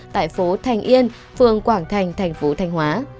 tại phố thành yên phường quảng thành thành phố thanh hóa